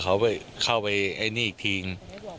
เขาบอกว่ากี่กรัมเราเข้าไปด้วยฟังเยอะมี่ค่ะ